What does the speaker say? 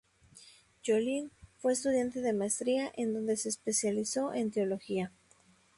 Jolene fue estudiante de maestría en donde se especializó en teología.